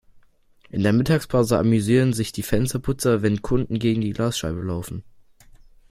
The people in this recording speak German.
In der Mittagspause amüsieren sich die Fensterputzer, wenn Kunden gegen die Glasscheibe laufen.